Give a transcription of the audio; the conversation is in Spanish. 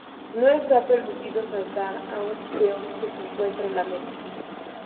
No está permitido saltar a un peón que se encuentra en la meta.